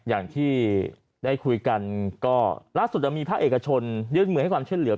อย่างที่ได้คุยกันก็ล่าสุดมีภาคเอกชนยื่นมือให้ความช่วยเหลือ